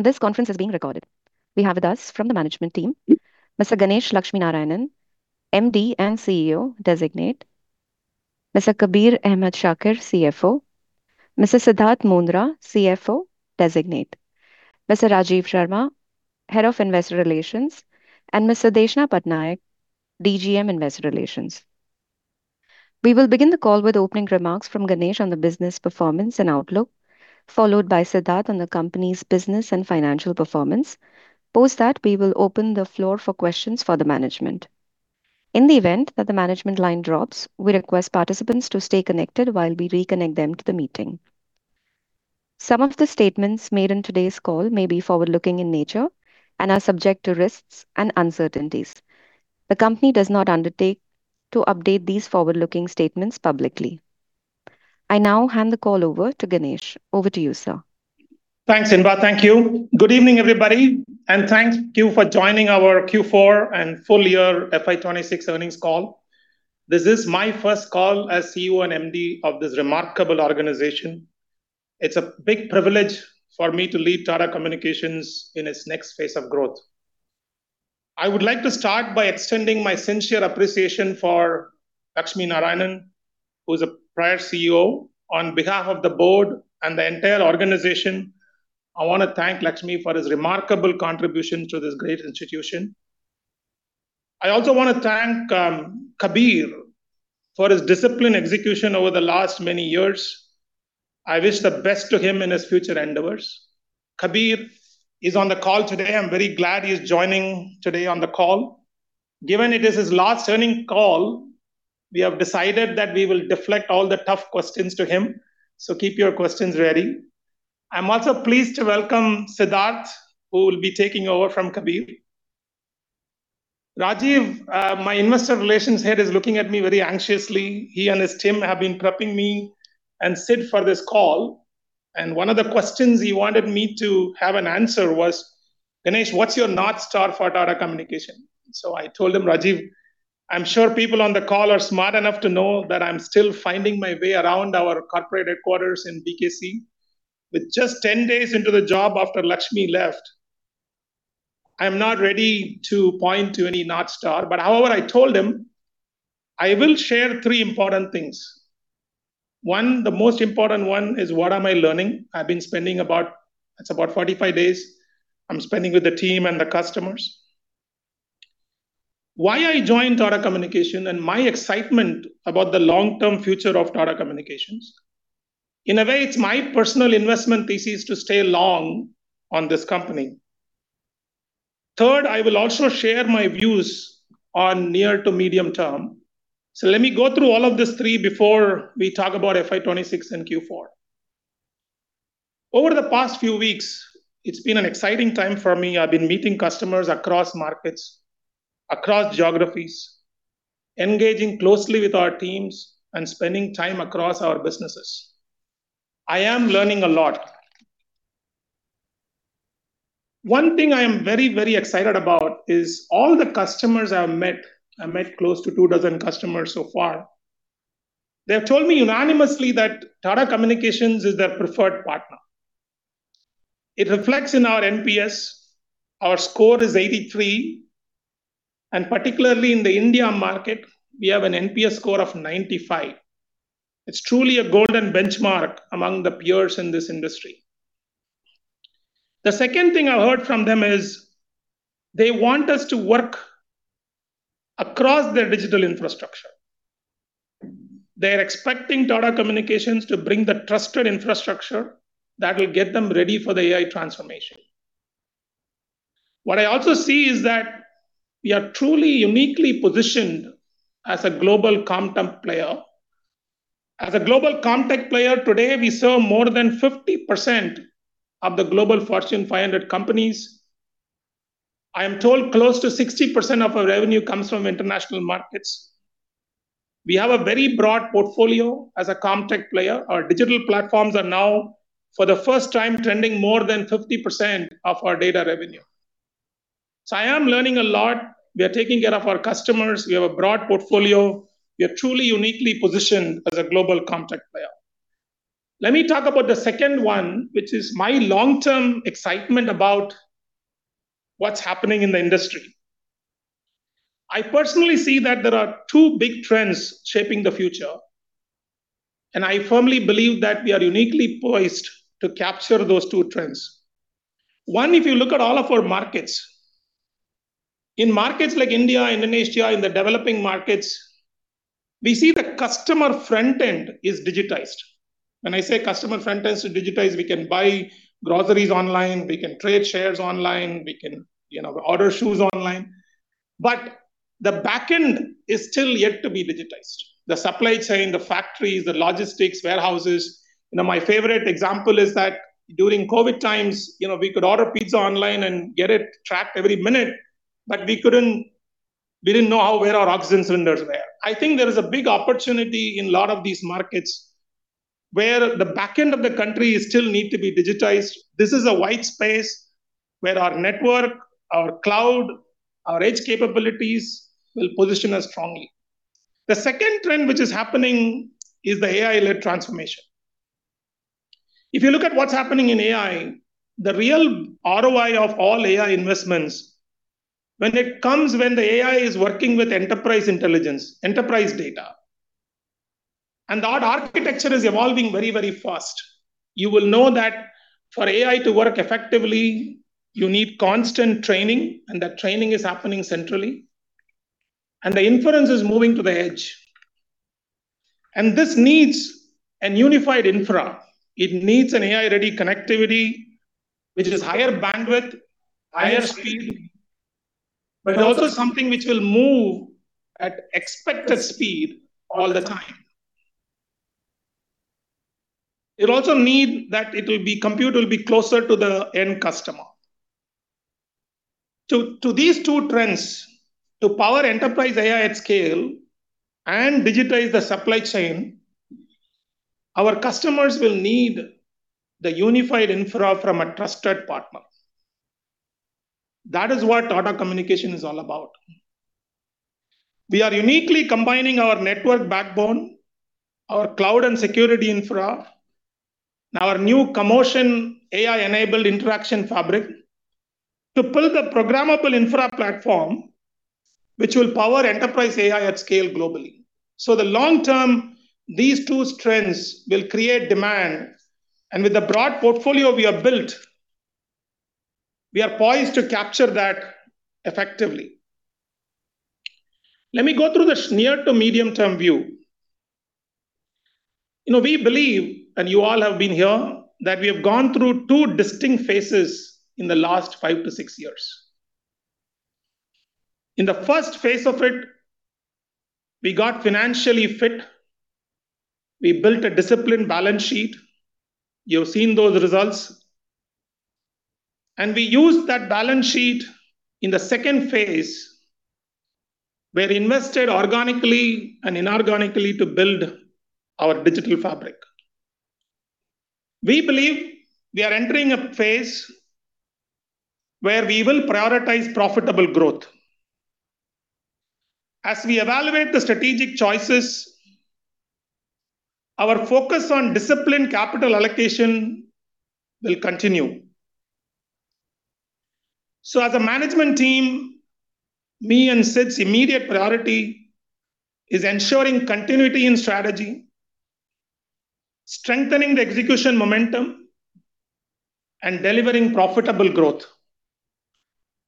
This conference is being recorded. We have with us from the management team, Mr. Ganesh Lakshminarayanan, MD and CEO designate. Mr. Kabir Ahmed Shakir, CFO. Mr. Siddhartha Mundra, CFO designate. Mr. Rajiv Sharma, Head of Investor Relations. Ms. Sudeshna Patnaik, DGM, Investor Relations. We will begin the call with opening remarks from Ganesh on the business performance and outlook, followed by Siddhartha on the company's business and financial performance. Post that, we will open the floor for questions for the management. In the event that the management line drops, we request participants to stay connected while we reconnect them to the meeting. Some of the statements made in today's call may be forward-looking in nature and are subject to risks and uncertainties. The company does not undertake to update these forward-looking statements publicly. I now hand the call over to Ganesh. Over to you, sir. Thanks, Rimba. Thank you. Good evening, everybody, and thank you for joining our Q4 and Full Year FY 2026 earnings call. This is my first call as CEO and MD of this remarkable organization. It's a big privilege for me to lead Tata Communications in its next phase of growth. I would like to start by extending my sincere appreciation for Amur Lakshminarayanan, who's a prior CEO. On behalf of the board and the entire organization, I want to thank Amur for his remarkable contribution to this great institution. I also want to thank Kabir for his disciplined execution over the last many years. I wish the best to him in his future endeavors. Kabir is on the call today. I'm very glad he is joining today on the call. Given it is his last earnings call, we have decided that we will deflect all the tough questions to him. Keep your questions ready. I'm also pleased to welcome Siddhartha, who will be taking over from Kabir. Rajiv, my investor relations head, is looking at me very anxiously. He and his team have been prepping me and Sid for this call, and one of the questions he wanted me to have an answer was, "Ganesh, what's your North Star for Tata Communications?" I told him, "Rajiv, I'm sure people on the call are smart enough to know that I'm still finding my way around our corporate headquarters in BKC. With just 10 days into the job after Lakshmi left, I'm not ready to point to any North Star." However, I told him, I will share three important things. One, the most important one is, what am I learning? I've been spending about 45 days with the team and the customers. Why I joined Tata Communications, and my excitement about the long-term future of Tata Communications. In a way, it's my personal investment thesis to stay long on this company. Third, I will also share my views on near to medium term. Let me go through all of these three before we talk about FY 2026 and Q4. Over the past few weeks, it's been an exciting time for me. I've been meeting customers across markets, across geographies, engaging closely with our teams, and spending time across our businesses. I am learning a lot. One thing I am very excited about is all the customers I've met. I've met close to two dozen customers so far. They have told me unanimously that Tata Communications is their preferred partner. It reflects in our NPS. Our score is 83, and particularly in the India market, we have an NPS score of 95. It's truly a golden benchmark among the peers in this industry. The second thing I heard from them is they want us to work across their digital infrastructure. They are expecting Tata Communications to bring the trusted infrastructure that will get them ready for the AI transformation. What I also see is that we are truly uniquely positioned as a global Comtech player. As a global Comtech player today, we serve more than 50% of the global Fortune 500 companies. I am told close to 60% of our revenue comes from international markets. We have a very broad portfolio as a Comtech player. Our digital platforms are now, for the first time, trending more than 50% of our data revenue. I am learning a lot. We are taking care of our customers. We have a broad portfolio. We are truly uniquely positioned as a global Comtech player. Let me talk about the second one, which is my long-term excitement about what's happening in the industry. I personally see that there are two big trends shaping the future, and I firmly believe that we are uniquely poised to capture those two trends. One, if you look at all of our markets like India and Indonesia, in the developing markets, we see the customer front end is digitized. When I say customer front end is digitized, we can buy groceries online, we can trade shares online, we can order shoes online. The back end is still yet to be digitized. The supply chain, the factories, the logistics, warehouses. My favorite example is that during COVID times, we could order pizza online and get it tracked every minute. We didn't know where our oxygen cylinders were. I think there is a big opportunity in a lot of these markets where the back end of the country still need to be digitized. This is a wide space where our network, our cloud, our edge capabilities will position us strongly. The second trend which is happening is the AI-led transformation. If you look at what's happening in AI, the real ROI of all AI investments, when it comes, when the AI is working with enterprise intelligence, enterprise data. That architecture is evolving very, very fast. You will know that for AI to work effectively, you need constant training, and that training is happening centrally. The inference is moving to the edge. This needs a unified infra. It needs an AI-ready connectivity, which is higher bandwidth, higher speed, but also something which will move at expected speed all the time. It also needs to be that compute will be closer to the end customer. To these two trends, to power enterprise AI at scale and digitize the supply chain, our customers will need the unified infra from a trusted partner. That is what Tata Communications is all about. We are uniquely combining our network backbone, our cloud and security infra, and our new communication AI-enabled interaction fabric to build a programmable infra platform which will power enterprise AI at scale globally. In the long term, these two trends will create demand, and with the broad portfolio we have built, we are poised to capture that effectively. Let me go through the near- to medium-term view. We believe, and you all have been here, that we have gone through two distinct phases in the last five to six years. In the first phase of it, we got financially fit. We built a disciplined balance sheet. You've seen those results. We used that balance sheet in the second phase, where we invested organically and inorganically to build our digital fabric. We believe we are entering a phase where we will prioritize profitable growth. As we evaluate the strategic choices, our focus on disciplined capital allocation will continue. As a management team, me and Sid's immediate priority is ensuring continuity in strategy, strengthening the execution momentum, and delivering profitable growth.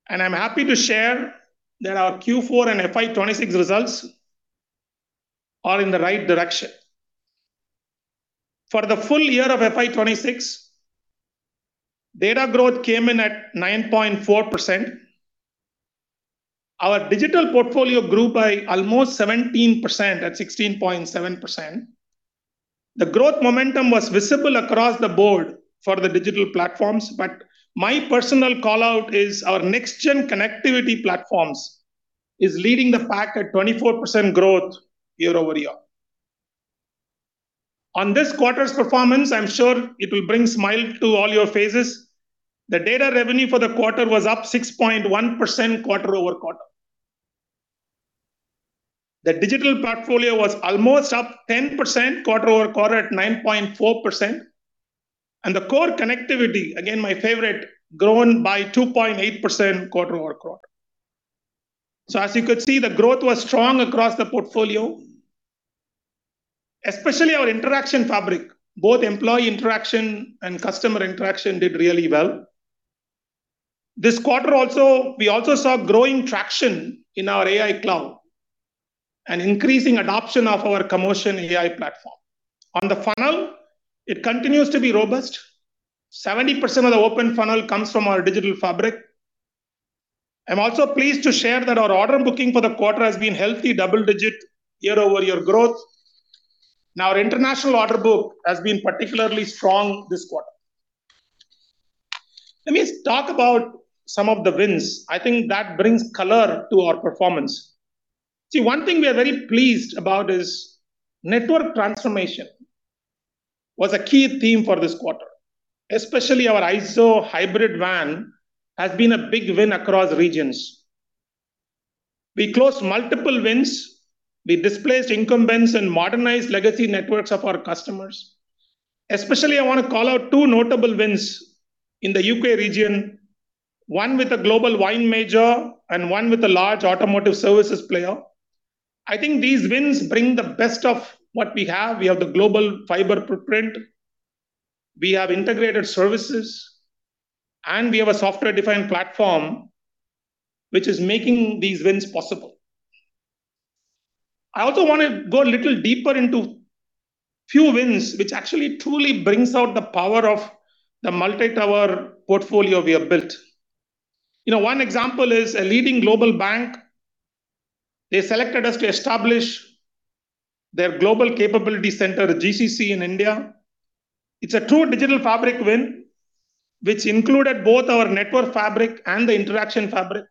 I'm happy to share that our Q4 and FY 2026 results are in the right direction. For the full year of FY 2026, data growth came in at 9.4%. Our digital portfolio grew by almost 17%, at 16.7%. The growth momentum was visible across the board for the digital platforms, but my personal call-out is our next gen connectivity platforms is leading the pack at 24% growth year-over-year. On this quarter's performance, I'm sure it will bring smile to all your faces. The data revenue for the quarter was up 6.1% quarter-over-quarter. The digital portfolio was almost up 10% quarter-over-quarter at 9.4%. The core connectivity, again, my favorite, grown by 2.8% quarter-over-quarter. As you could see, the growth was strong across the portfolio, especially our interaction fabric. Both employee interaction and customer interaction did really well. This quarter also, we also saw growing traction in our AI cloud and increasing adoption of our Commotion AI platform. On the funnel, it continues to be robust. 70% of the open funnel comes from our digital fabric. I'm also pleased to share that our order booking for the quarter has been healthy, double-digit year-over-year growth. Our international order book has been particularly strong this quarter. Let me talk about some of the wins. I think that brings color to our performance. See, one thing we are very pleased about is network transformation was a key theme for this quarter. Especially our IZO Hybrid WAN has been a big win across regions. We closed multiple wins. We displaced incumbents and modernized legacy networks of our customers. Especially, I want to call out two notable wins in the U.K. region, one with a global wine major and one with a large automotive services player. I think these wins bring the best of what we have. We have the global fiber footprint, we have integrated services, and we have a software-defined platform, which is making these wins possible. I also want to go a little deeper into few wins, which actually truly brings out the power of the multi-tower portfolio we have built. One example is a leading global bank. They selected us to establish their global capability center, GCC, in India. It's a true digital fabric win, which included both our network fabric and the interaction fabric.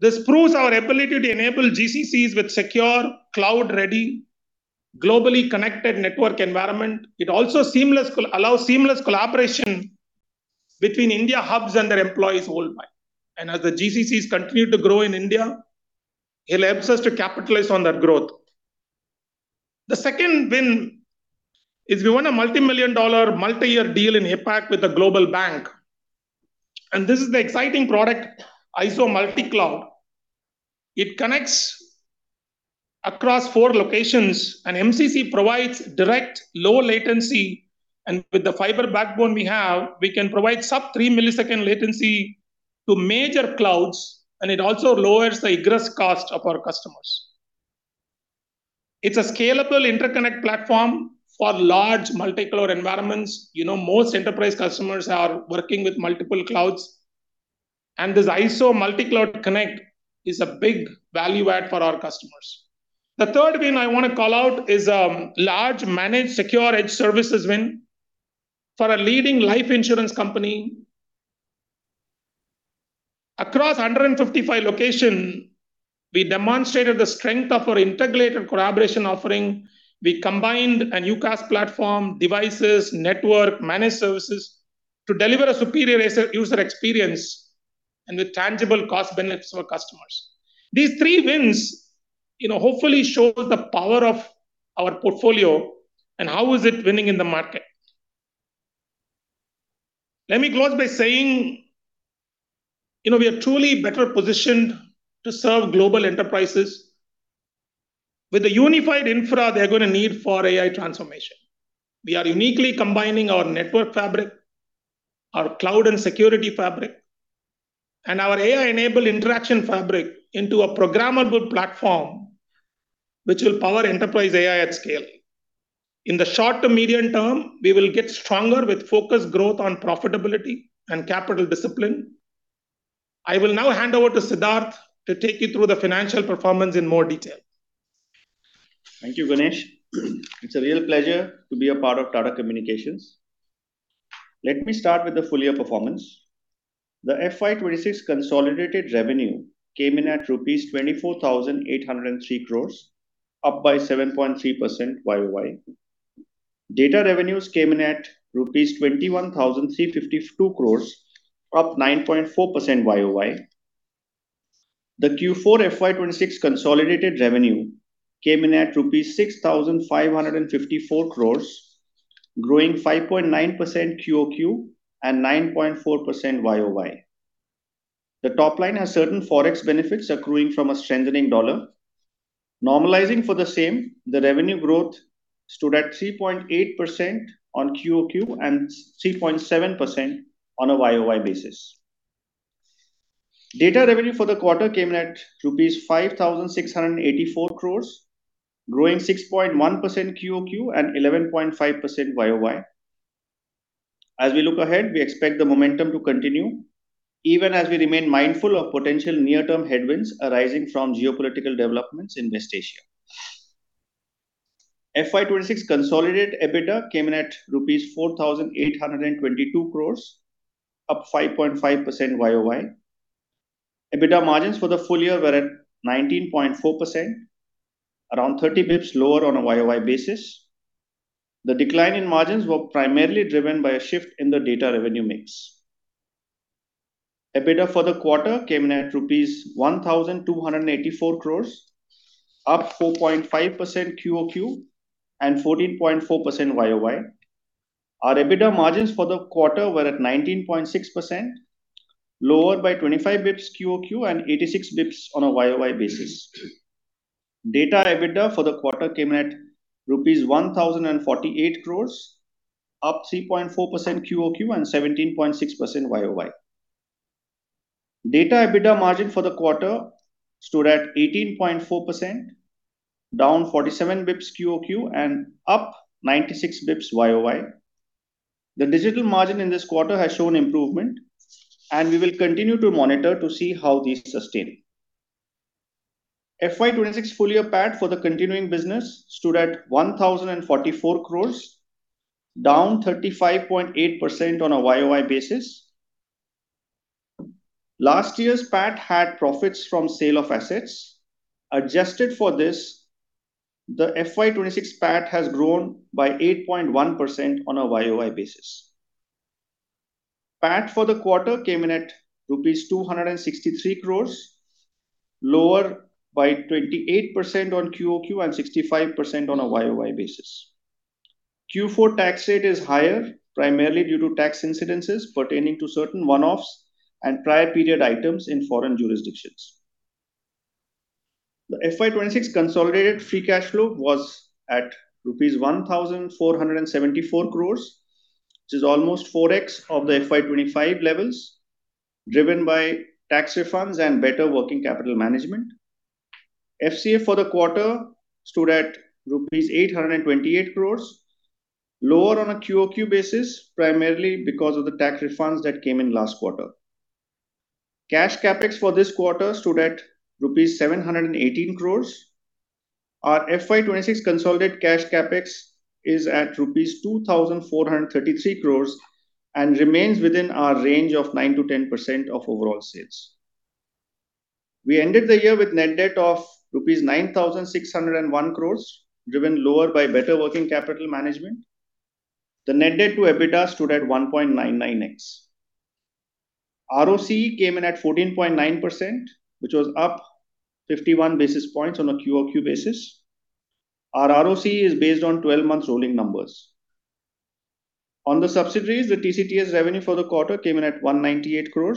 This proves our ability to enable GCCs with secure, cloud-ready, globally connected network environment. It also allows seamless collaboration between India hubs and their employees worldwide. As the GCCs continue to grow in India, it helps us to capitalize on that growth. The second win is we won a multimillion-dollar, multi-year deal in APAC with a global bank. This is the exciting product, IZO Multi Cloud. It connects across four locations, and MCC provides direct low latency, and with the fiber backbone we have, we can provide sub-three millisecond latency to major clouds, and it also lowers the egress cost of our customers. It's a scalable interconnect platform for large multicloud environments. Most enterprise customers are working with multiple clouds, and this IZO Multi Cloud Connect is a big value add for our customers. The third win I want to call out is a large managed secure edge services win for a leading life insurance company. Across 155 locations, we demonstrated the strength of our integrated collaboration offering. We combined a K-cast platform, devices, network, managed services to deliver a superior user experience and with tangible cost benefits for customers. These three wins hopefully show the power of our portfolio and how it's winning in the market. Let me close by saying, we are truly better positioned to serve global enterprises. With the unified infra they're going to need for AI transformation, we are uniquely combining our network fabric, our cloud and security fabric, and our AI-enabled interaction fabric into a programmable platform which will power enterprise AI at scale. In the short to medium term, we will get stronger with focused growth on profitability and capital discipline. I will now hand over to Siddhartha to take you through the financial performance in more detail. Thank you, Ganesh. It's a real pleasure to be a part of Tata Communications. Let me start with the full year performance. The FY 2026 consolidated revenue came in at rupees 24,803 crore, up by 7.3% YoY. Data revenues came in at rupees 21,352 crore, up 9.4% YoY. The Q4 FY 2026 consolidated revenue came in at rupees 6,554 crore, growing 5.9% QoQ and 9.4% YoY. The top line has certain Forex benefits accruing from a strengthening dollar. Normalizing for the same, the revenue growth stood at 3.8% on QoQ and 3.7% on a YoY basis. Data revenue for the quarter came in at rupees 5,684 crore, growing 6.1% QoQ and 11.5% YoY. We look ahead, we expect the momentum to continue, even as we remain mindful of potential near-term headwinds arising from geopolitical developments in West Asia. FY 2026 consolidated EBITDA came in at rupees 4,822 crore, up 5.5% YoY. EBITDA margins for the full year were at 19.4%, around 30 basis points lower on a YoY basis. The decline in margins were primarily driven by a shift in the data revenue mix. EBITDA for the quarter came in at rupees 1,284 crore, up 4.5% QoQ and 14.4% YoY. Our EBITDA margins for the quarter were at 19.6%, lower by 25 basis points QoQ and 86 basis points on a YoY basis. Data EBITDA for the quarter came at rupees 1,048 crore, up 3.4% QoQ and 17.6% YoY. Data EBITDA margin for the quarter stood at 18.4%, down 47 basis points QoQ and up 96 basis points YoY. The digital margin in this quarter has shown improvement, and we will continue to monitor to see how these sustain. FY 2026 full year PAT for the continuing business stood at 1,044 crore, down 35.8% on a YoY basis. Last year's PAT had profits from sale of assets. Adjusted for this, the FY 2026 PAT has grown by 8.1% on a YoY basis. PAT for the quarter came in at rupees 263 crore, lower by 28% on a QoQ basis and 65% on a YoY basis. Q4 tax rate is higher, primarily due to tax incidences pertaining to certain one-offs and prior period items in foreign jurisdictions. The FY 2026 consolidated free cash flow was at rupees 1,474 crore, which is almost 4x of the FY 2025 levels, driven by tax refunds and better working capital management. FCF for the quarter stood at rupees 828 crore, lower on a QoQ basis, primarily because of the tax refunds that came in last quarter. Cash CapEx for this quarter stood at rupees 718 crore. Our FY 2026 consolidated cash CapEx is at rupees 2,433 crore and remains within our range of 9%-10% of overall sales. We ended the year with net debt of rupees 9,601 crore, driven lower by better working capital management. The net debt to EBITDA stood at 1.99x. ROCE came in at 14.9%, which was up 51 basis points on a QoQ basis. Our ROCE is based on 12 months rolling numbers. On the subsidiaries, the TCTS revenue for the quarter came in at 198 crore,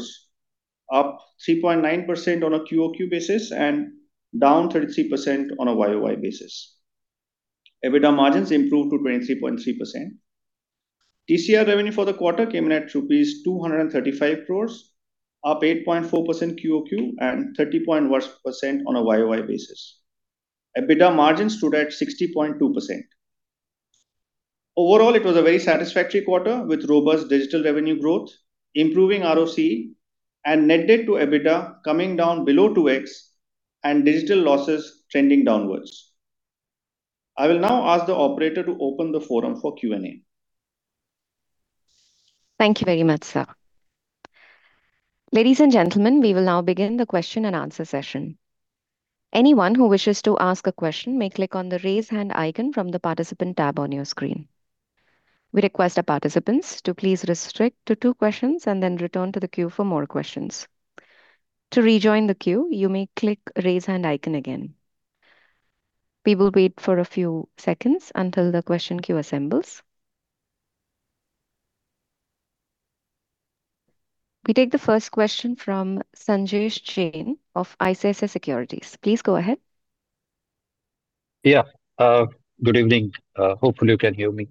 up 3.9% on a QoQ basis and down 33% on a YoY basis. EBITDA margins improved to 23.3%. TCR revenue for the quarter came in at rupees 235 crore, up 8.4% QoQ and 30.1% on a YoY basis. EBITDA margins stood at 60.2%. Overall, it was a very satisfactory quarter, with robust digital revenue growth, improving ROCE, and net debt to EBITDA coming down below 2x, and digital losses trending downwards. I will now ask the operator to open the forum for Q&A. Thank you very much, sir. Ladies and gentlemen, we will now begin the question and answer session. Anyone who wishes to ask a question may click on the Raise Hand icon from the Participant tab on your screen. We request our participants to please restrict to two questions, and then return to the queue for more questions. To rejoin the queue, you may click Raise Hand icon again. We will wait for a few seconds until the question queue assembles. We take the first question from Sanjesh Jain of ICICI Securities. Please go ahead. Yeah. Good evening. Hopefully you can hear me.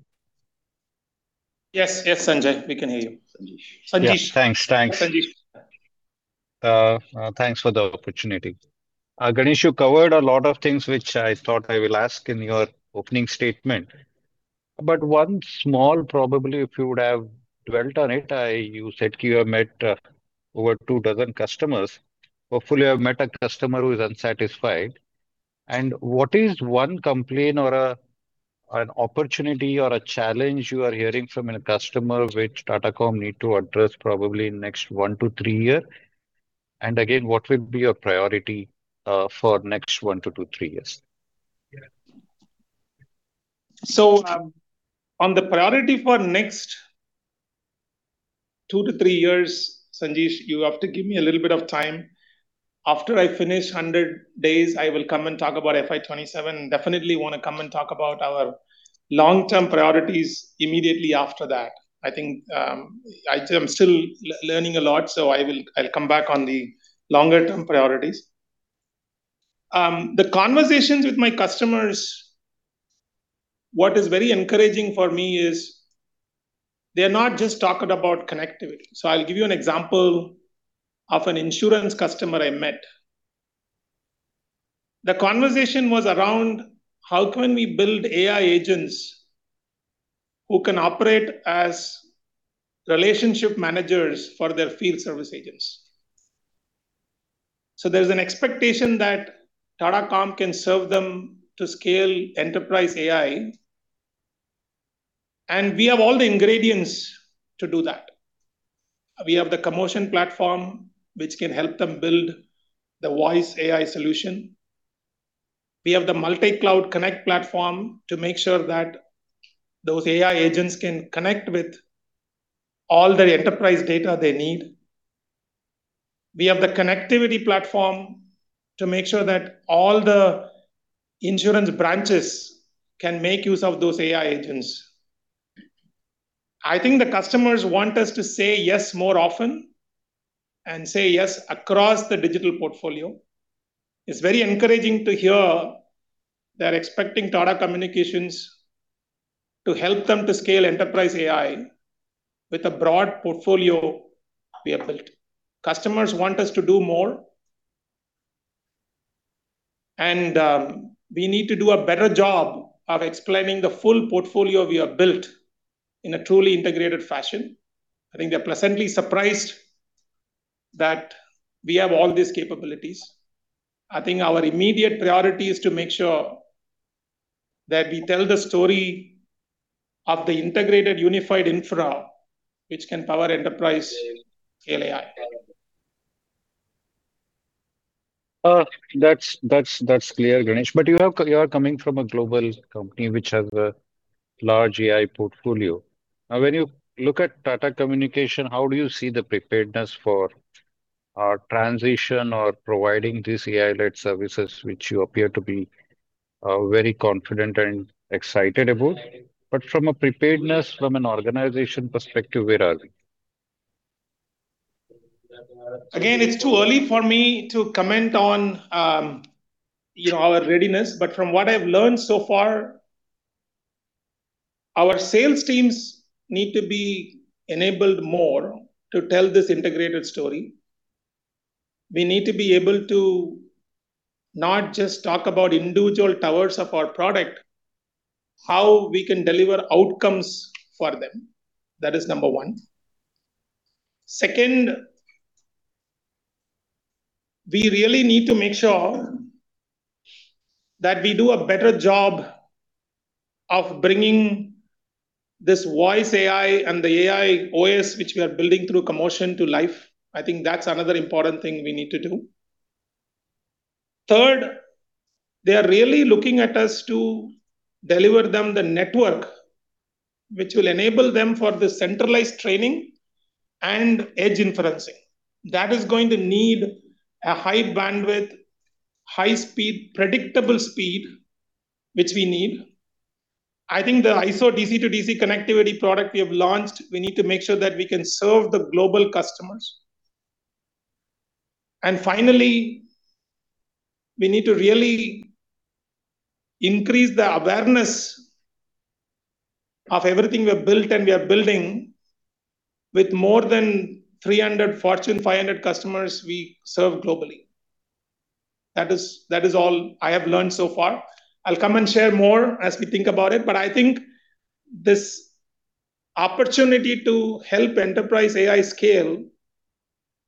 Yes, yes, Sanjesh, we can hear you. Sanjesh. Sanjesh. Yeah. Thanks. Sanjesh. Thanks for the opportunity. Ganesh, you covered a lot of things which I thought I will ask in your opening statement, but one small, probably, if you would have dwelt on it. You said you have met over two dozen customers. Hopefully, you have met a customer who is unsatisfied. What is one complaint or an opportunity or a challenge you are hearing from a customer which Tata Comm need to address probably in next one to three year? Again, what will be your priority for next one to two, three years? Yeah. On the priority for next two to three years, Sanjesh, you have to give me a little bit of time. After I finish 100 days, I will come and talk about FY 2027. Definitely want to come and talk about our long-term priorities immediately after that. I think I'm still learning a lot, so I'll come back on the longer term priorities. The conversations with my customers, what is very encouraging for me is they're not just talking about connectivity. I'll give you an example of an insurance customer I met. The conversation was around how can we build AI agents who can operate as relationship managers for their field service agents. There's an expectation that Tata Comm can serve them to scale enterprise AI. We have all the ingredients to do that. We have the Commotion platform, which can help them build the voice AI solution. We have the IZO Multi Cloud Connect platform to make sure that those AI agents can connect with all the enterprise data they need. We have the connectivity platform to make sure that all the insurance branches can make use of those AI agents. I think the customers want us to say yes more often, and say yes across the digital portfolio. It's very encouraging to hear they're expecting Tata Communications to help them to scale enterprise AI with the broad portfolio we have built. Customers want us to do more. We need to do a better job of explaining the full portfolio we have built in a truly integrated fashion. I think they're pleasantly surprised that we have all these capabilities. I think our immediate priority is to make sure that we tell the story of the integrated, unified infra which can power enterprise scale AI. That's clear, Ganesh. You are coming from a global company which has a large AI portfolio. Now, when you look at Tata Communications, how do you see the preparedness for our transition or providing these AI-led services, which you appear to be very confident and excited about? From a preparedness, from an organization perspective, where are we? Again, it's too early for me to comment on our readiness. From what I've learned so far, our sales teams need to be enabled more to tell this integrated story. We need to be able to not just talk about individual towers of our product, how we can deliver outcomes for them. That is number one. Second, we really need to make sure that we do a better job of bringing this voice AI and the AI OS, which we are building through Commotion to life. I think that's another important thing we need to do. Third, they are really looking at us to deliver them the network which will enable them for the centralized training and edge inferencing. That is going to need a high bandwidth, high speed, predictable speed, which we need. I think the IZO DC-to-DC connectivity product we have launched, we need to make sure that we can serve the global customers. Finally, we need to really increase the awareness of everything we have built and we are building with more than 300 Fortune 500 customers we serve globally. That is all I have learned so far. I'll come and share more as we think about it, but I think this opportunity to help enterprise AI scale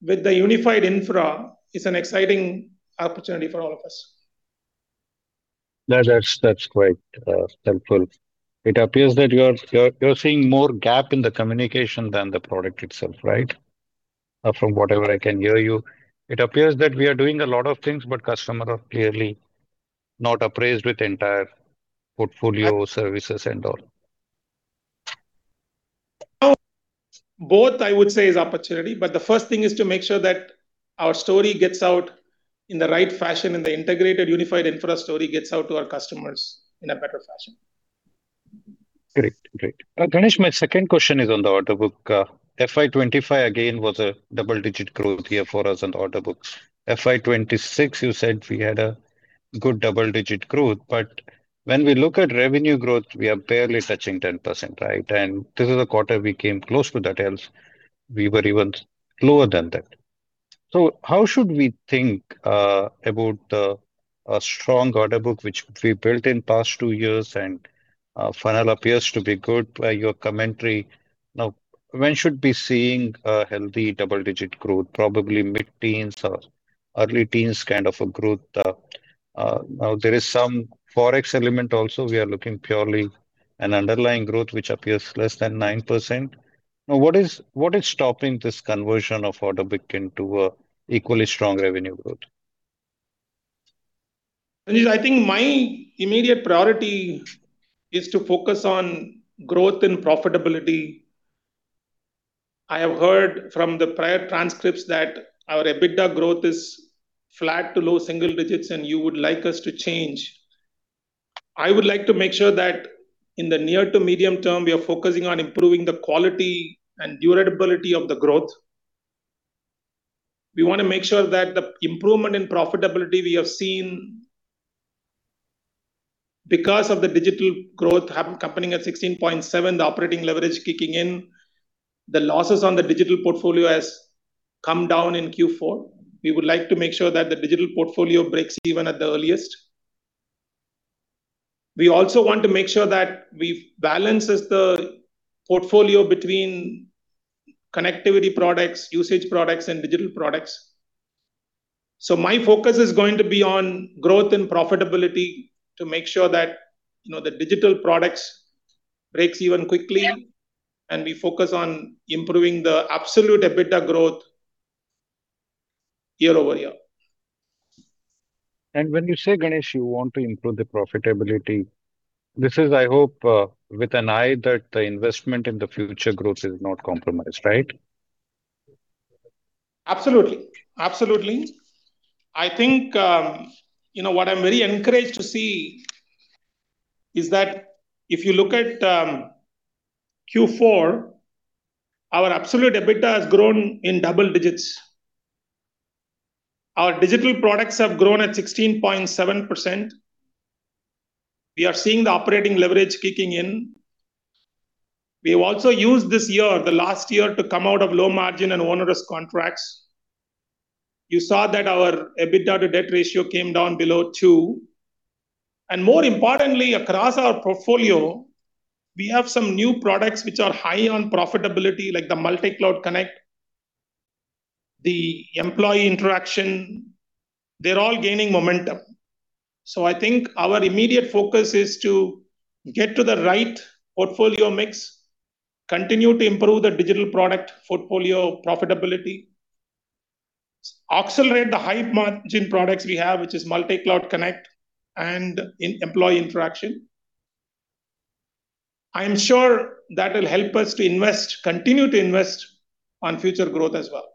with the unified infra is an exciting opportunity for all of us. That's quite helpful. It appears that you're seeing more gap in the communication than the product itself, right? From whatever I can hear you, it appears that we are doing a lot of things, but customers are clearly not apprised with entire portfolio services and all. Both, I would say, is opportunity, but the first thing is to make sure that our story gets out in the right fashion, and the integrated unified infra story gets out to our customers in a better fashion. Great. Ganesh, my second question is on the order book. FY 2025, again, was a double-digit growth year for us on the order books. FY 2026, you said we had a good double-digit growth, but when we look at revenue growth, we are barely touching 10%, right? This is a quarter we came close to that, else we were even lower than that. How should we think about a strong order book which we built in past two years and funnel appears to be good by your commentary. Now, when should we seeing a healthy double-digit growth, probably mid-teens or early teens kind of a growth? Now, there is some Forex element also. We are looking purely an underlying growth, which appears less than 9%. Now, what is stopping this conversion of order book into a equally strong revenue growth? Jain, I think my immediate priority is to focus on growth and profitability. I have heard from the prior transcripts that our EBITDA growth is flat to low single digits, and you would like us to change. I would like to make sure that in the near to medium term, we are focusing on improving the quality and durability of the growth. We want to make sure that the improvement in profitability we have seen because of the digital growth happening at 16.7%, the operating leverage kicking in, the losses on the digital portfolio have come down in Q4. We would like to make sure that the digital portfolio breaks even at the earliest. We also want to make sure that we balance the portfolio between connectivity products, usage products, and digital products. My focus is going to be on growth and profitability to make sure that the digital products break even quickly, and we focus on improving the absolute EBITDA growth year-over-year. When you say, Ganesh, you want to improve the profitability, this is, I hope, with an eye that the investment in the future growth is not compromised, right? Absolutely. I think what I'm very encouraged to see is that if you look at Q4, our absolute EBITDA has grown in double digits. Our digital products have grown at 16.7%. We are seeing the operating leverage kicking in. We have also used this year, the last year, to come out of low margin and onerous contracts. You saw that our EBITDA to debt ratio came down below two. More importantly, across our portfolio, we have some new products which are high on profitability, like the IZO Multi Cloud Connect, the employee interaction, they're all gaining momentum. I think our immediate focus is to get to the right portfolio mix, continue to improve the digital product portfolio profitability, accelerate the high margin products we have, which is IZO Multi Cloud Connect and employee interaction. I am sure that will help us to continue to invest on future growth as well.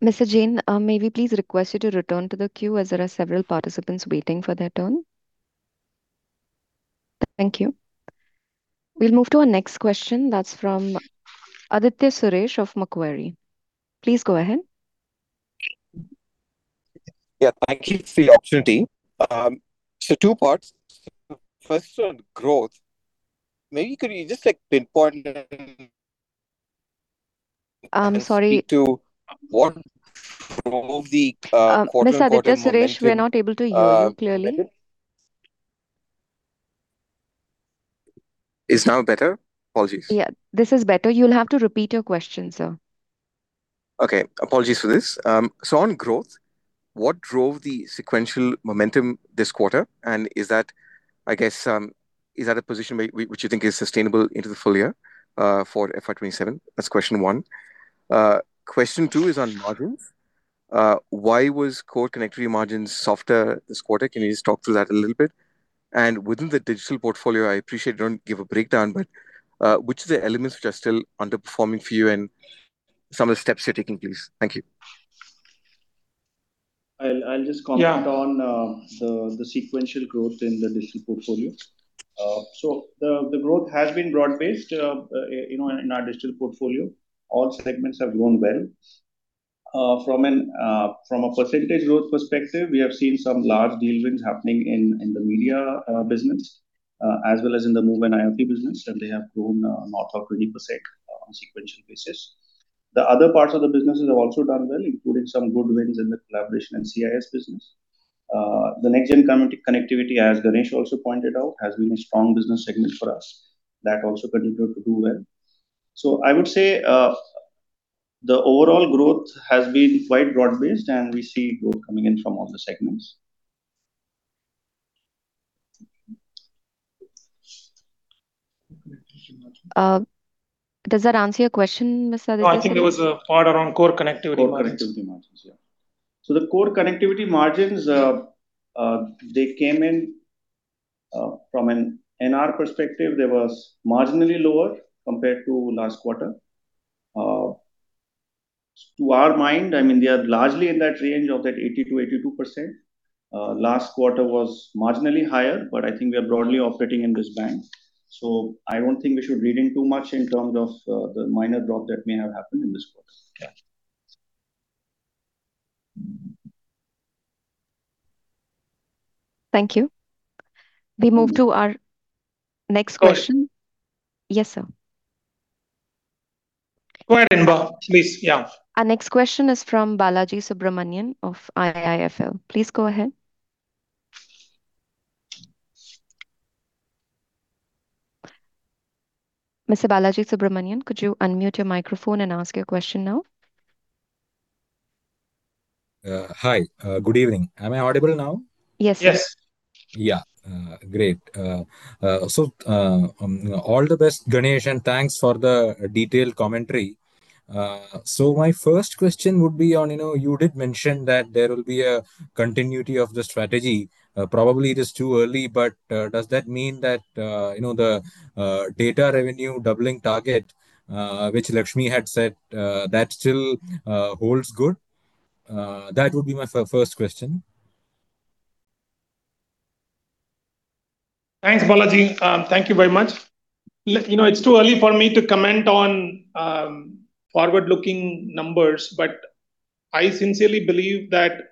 Mr. Jain, may we please request you to return to the queue as there are several participants waiting for their turn. Thank you. We'll move to our next question. That's from Aditya Suresh of Macquarie. Please go ahead. Yeah, thank you for the opportunity. Two parts. First on growth. Maybe could you just pinpoint and- I'm sorry. Speak to what drove the quarter-over-quarter momentum. Mr. Aditya Suresh, we're not able to hear you clearly. Is now better? Apologies. Yeah, this is better. You'll have to repeat your question, sir. Okay. Apologies for this. On growth, what drove the sequential momentum this quarter? I guess, is that a position which you think is sustainable into the full year for FY 2027? That's question one. Question two is on margins. Why was core connectivity margins softer this quarter? Can you just talk through that a little bit? Within the digital portfolio, I appreciate you don't give a breakdown, but which of the elements are still underperforming for you and some of the steps you're taking, please. Thank you. I'll just comment. Yeah On the sequential growth in the digital portfolio. The growth has been broad-based in our digital portfolio; all segments have grown well. From a percentage growth perspective, we have seen some large deal wins happening in the media business, as well as in the mobile IoT business, and they have grown north of 20% on a sequential basis. The other parts of the businesses have also done well, including some good wins in the collaboration and CIS business. The next gen connectivity, as Ganesh also pointed out, has been a strong business segment for us. That also continued to do well. I would say the overall growth has been quite broad-based, and we see growth coming in from all the segments. Does that answer your question, Mr. Aditya Suresh? No, I think there was a part around core connectivity. Core connectivity margins, yeah. The core connectivity margins, they came in from an NR perspective, they was marginally lower compared to last quarter. To our mind, they are largely in that range of that 80%-82%. Last quarter was marginally higher, but I think we are broadly operating in this band. I don't think we should read too much into this in terms of the minor drop that may have happened in this quarter. Yeah. Thank you. We move to our next question. Yes, sir. Go ahead, Rimba, please. Yeah. Our next question is from Balaji Subramanian of IIFL. Please go ahead. Mr. Balaji Subramanian, could you unmute your microphone and ask your question now? Hi. Good evening. Am I audible now? Yes. Yes. Yeah. Great. All the best, Ganesh, and thanks for the detailed commentary. My first question would be on, you did mention that there will be a continuity of the strategy. Probably it is too early, but does that mean that the data revenue doubling target, which Lakshmi had set, that still holds good? That would be my first question. Thanks, Balaji. Thank you very much. It's too early for me to comment on forward-looking numbers, but I sincerely believe that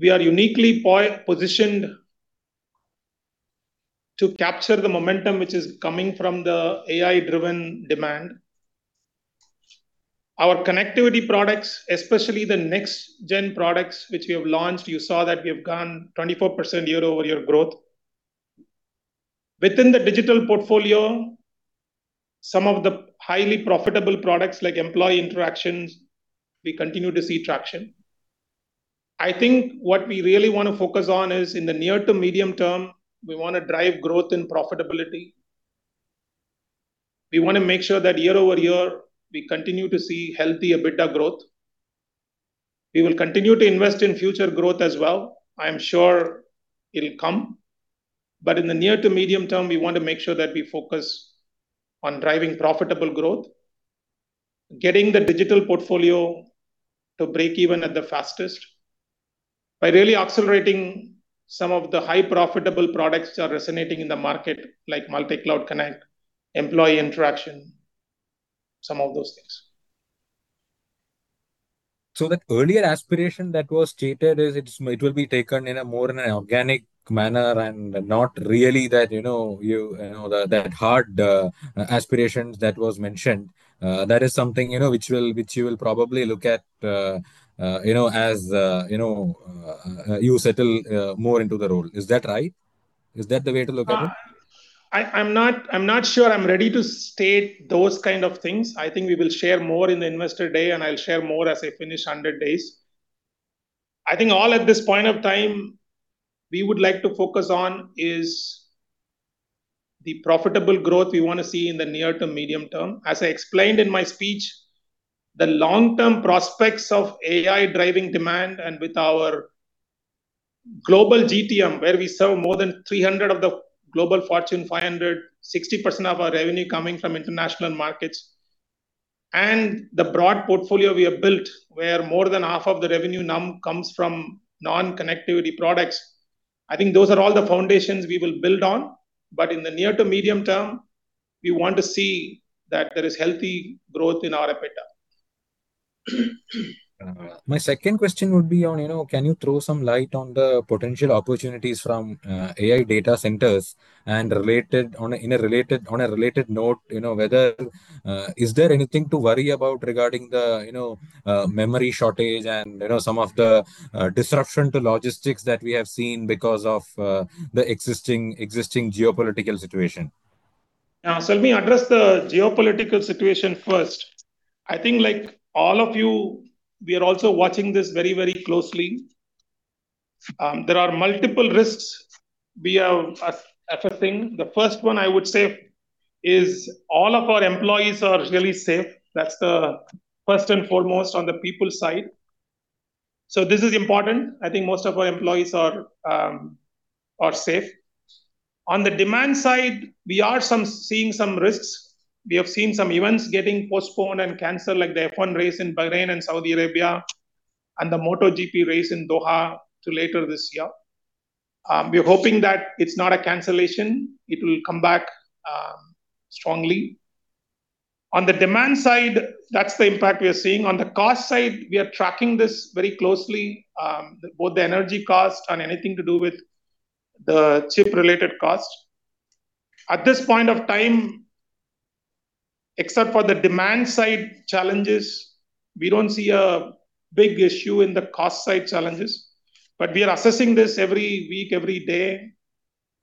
we are uniquely positioned to capture the momentum which is coming from the AI-driven demand. Our connectivity products, especially the next-gen products which we have launched, you saw that we have gone 24% year-over-year growth. Within the digital portfolio, some of the highly profitable products like employee interactions, we continue to see traction. I think what we really want to focus on is in the near- to medium-term, we want to drive growth and profitability. We want to make sure that year-over-year, we continue to see healthy EBITDA growth. We will continue to invest in future growth as well. I'm sure it'll come. In the near to medium term, we want to make sure that we focus on driving profitable growth, getting the digital portfolio to break even at the fastest by really accelerating some of the highly profitable products which are resonating in the market, like Multi Cloud Connect, employee interaction, some of those things. That earlier aspiration that was stated, it will be taken in a more organic manner and not really that hard aspirations that was mentioned. That is something which you will probably look at as you settle more into the role. Is that right? Is that the way to look at it? I'm not sure I'm ready to state those kind of things. I think we will share more in the investor day, and I'll share more as I finish 100 days. I think all at this point of time, we would like to focus on is the profitable growth we want to see in the near to medium term. As I explained in my speech, the long-term prospects of AI driving demand and with our global GTM, where we serve more than 300 of the Fortune 500, 60% of our revenue coming from international markets. The broad portfolio we have built, where more than half of the revenue now comes from non-connectivity products. I think those are all the foundations we will build on. In the near to medium term, we want to see that there is healthy growth in our EBITDA. My second question would be on, can you throw some light on the potential opportunities from AI data centers? On a related note, is there anything to worry about regarding the memory shortage and some of the disruption to logistics that we have seen because of the existing geopolitical situation? Now, let me address the geopolitical situation first. I think like all of you, we are also watching this very closely. There are multiple risks we are facing. The first one, I would say, is all of our employees are really safe. That's the first and foremost on the people side. This is important. I think most of our employees are safe. On the demand side, we are seeing some risks. We have seen some events getting postponed and canceled, like the F1 race in Bahrain and Saudi Arabia, and the MotoGP race in Doha to later this year. We're hoping that it's not a cancellation, it will come back strongly. On the demand side, that's the impact we are seeing. On the cost side, we are tracking this very closely, both the energy cost and anything to do with the chip-related cost. At this point of time, except for the demand side challenges, we don't see a big issue in the cost side challenges. We are assessing this every week, every day,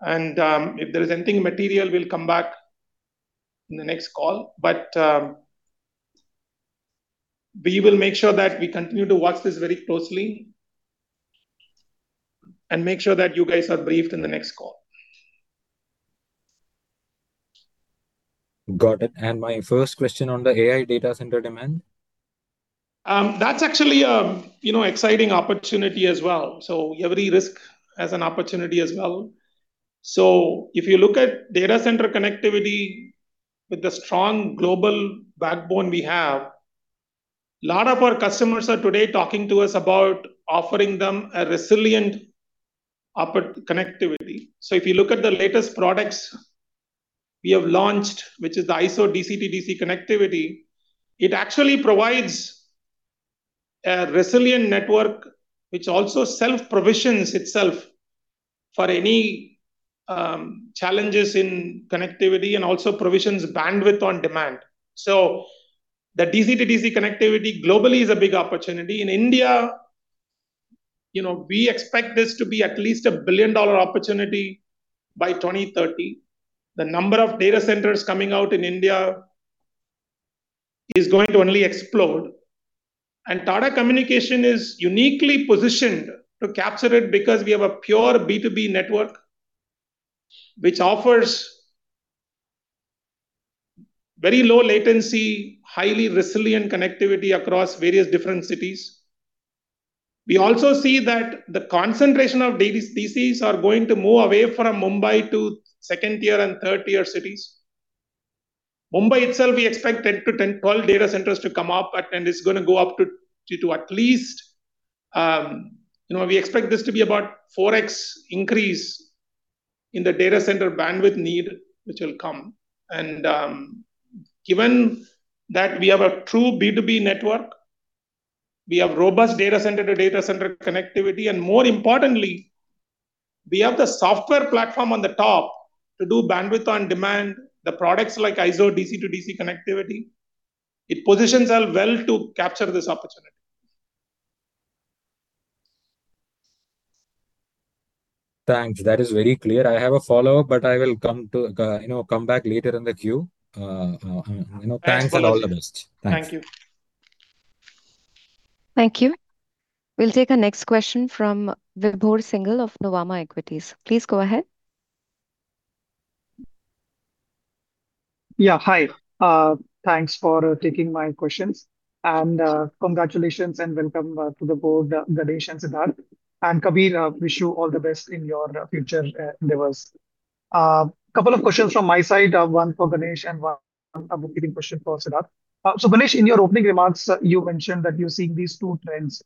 and if there is anything material, we'll come back in the next call. We will make sure that we continue to watch this very closely and make sure that you guys are briefed in the next call. Got it. My first question on the AI data center demand. That's actually an exciting opportunity as well. Every risk has an opportunity as well. If you look at data center connectivity with the strong global backbone we have, lot of our customers are today talking to us about offering them a resilient connectivity. If you look at the latest products we have launched, which is the IZO DC-to-DC connectivity, it actually provides a resilient network which also self-provisions itself for any challenges in connectivity and also provisions bandwidth on demand. The DC-to-DC connectivity globally is a big opportunity. In India, we expect this to be at least a billion-dollar opportunity by 2030. The number of data centers coming out in India is going to only explode. Tata Communications is uniquely positioned to capture it because we have a pure B2B network which offers very low latency, highly resilient connectivity across various different cities. We also see that the concentration of data DCs are going to move away from Mumbai to second-tier and third-tier cities. Mumbai itself, we expect 10 to 12 data centers to come up, and it's going to go up to at least. We expect this to be about 4x increase in the data center bandwidth need which will come. Given that we have a true B2B network, we have robust data center to data center connectivity, and more importantly, we have the software platform on the top to do bandwidth on demand. The products like IZO DC-to-DC connectivity, it positions us well to capture this opportunity. Thanks. That is very clear. I have a follow-up, but I will come back later in the queue. Thanks, and all the best. Thanks. Thank you. We'll take our next question from Vibhor Singhal of Nuvama Equities. Please go ahead. Hi. Thanks for taking my questions, and congratulations and welcome to the board, Ganesh and Siddhartha. Kabir, wish you all the best in your future endeavors. Couple of questions from my side. One for Ganesh and one beginning question for Siddhartha. Ganesh, in your opening remarks, you mentioned that you're seeing these two trends.